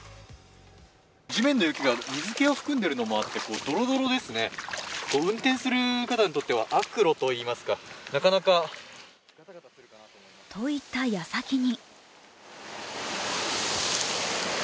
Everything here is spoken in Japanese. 地面の雪が水気を含んでいるのもあって、ドロドロですね、運転する方にとっては悪路といいますか、なかなかと言った矢先に。